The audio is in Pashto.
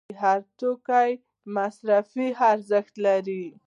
هر توکی مصرفي ارزښت لري.